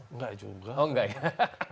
enggak juga oh enggak ya